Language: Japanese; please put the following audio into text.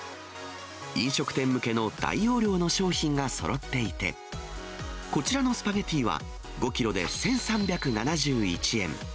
飲食店向けの大容量の商品がそろっていて、こちらのスパゲッティは、５キロで１３７１円。